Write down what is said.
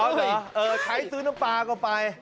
เอ้าเหรอใช้ซื้อน้ำปลากลับไป